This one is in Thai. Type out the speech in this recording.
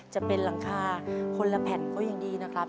จะเป็นหลังคาคนละแผ่นก็ยังดีนะครับ